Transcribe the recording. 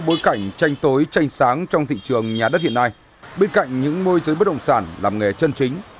bối cảnh tranh tối tranh sáng trong thị trường nhà đất hiện nay bên cạnh những môi giới bất động sản làm nghề chân chính